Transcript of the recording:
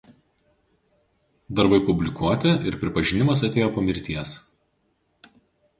Darbai publikuoti ir pripažinimas atėjo po mirties.